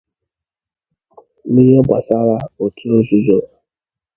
N'ihe gbasaara òtù nzúzo